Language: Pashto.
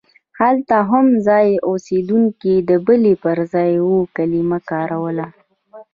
هلته هم ځایي اوسېدونکو د بلې پر ځای اوو کلمه کاروله.